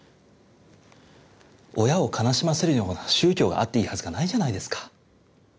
親を悲しませるような宗教があっていいはずがないじゃないですか。